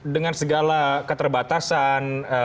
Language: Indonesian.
dengan segala keterbatasan